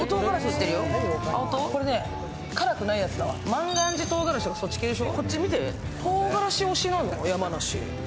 万願寺とうがらしとかそっち系でしょ。